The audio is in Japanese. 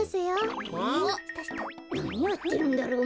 なにやってるんだろう？